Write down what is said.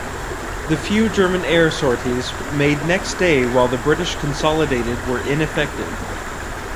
The few German air sorties made next day while the British consolidated were ineffective.